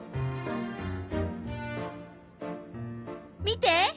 見て！